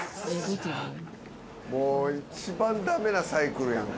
もう一番駄目なサイクルやん